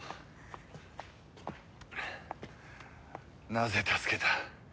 なぜ助けた？